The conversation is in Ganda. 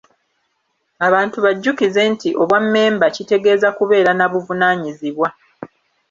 Abantu bajjukize nti obwammemba kitegeeza kubeera na buvunaanyizibwa.